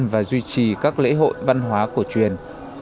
và duy trì các lễ hội văn hóa cổ truyền